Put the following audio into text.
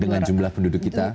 dengan jumlah penduduk kita